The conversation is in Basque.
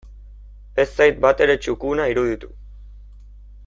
Ez zait batere txukuna iruditu.